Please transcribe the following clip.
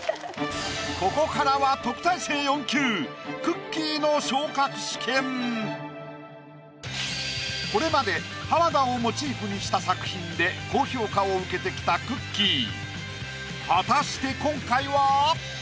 ここからはこれまで浜田をモチーフにした作品で高評価を受けてきたくっきー！。果たして今回は？